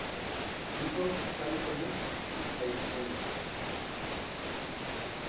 Hijos: Charles Prince y Daisy Prince.